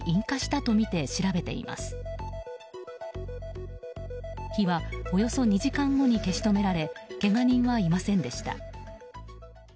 火はおよそ２時間後に消し止められけが人はいませんでした。